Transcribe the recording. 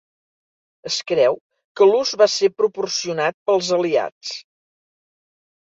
Es creu que l'ús va ser proporcionat pels aliats.